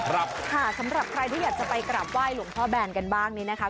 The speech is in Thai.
สำหรับใครที่อยากจะไปกราบไห้หลวงพ่อแบนกันบ้างนี้นะคะ